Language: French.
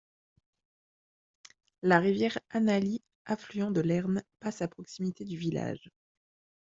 La rivière Annalee, affluent de l'Erne, passe à proximité du village.